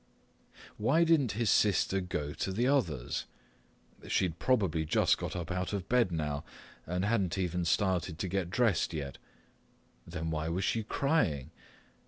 Why didn't his sister go to the others? She'd probably just gotten up out of bed now and hadn't even started to get dressed yet. Then why was she crying?